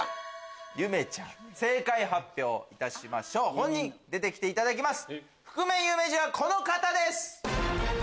正解発表いたしましょう本人出てきていただきます。